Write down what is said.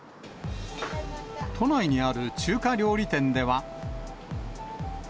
都内にある中華料理店では。